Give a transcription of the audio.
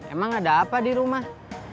emang ada apa di rumah